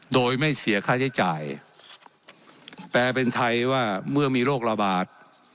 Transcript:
โดยไม่เสียค่าใช้จ่ายแปลเป็นไทยว่าเมื่อมีโรคระบาด